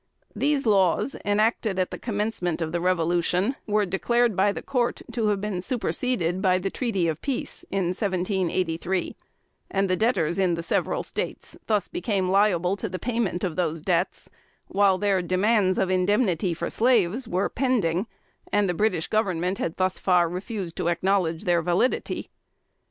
These laws, enacted at the commencement of the Revolution, were declared by the Court to have been superseded by the treaty of peace, in 1783; and the debtors in the several States thus became liable to the payment of those debts, while their demands of indemnity for slaves were pending, and the British Government had thus far refused to acknowledge their validity.